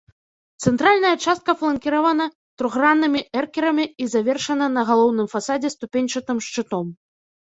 Цэнтральная частка фланкіравана трохграннымі эркерамі і завершана на галоўным фасадзе ступеньчатым шчытом.